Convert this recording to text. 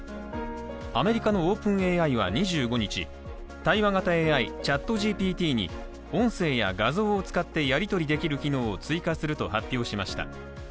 アメリカのＯｐｅｎＡＩは２５日、対話型ＡＩ、ＣｈａｔＧＰＴに音声や画像を使ってやり取りできる機能を追加すると発表しました。